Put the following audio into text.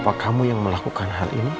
apa kamu yang melakukan hal ini